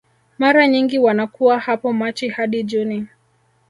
Mara nyingi wanakuwa hapo Machi hadi Juni